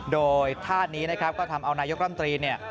โดยท่านี้ก็ทำเอานายกรัฐมนตรี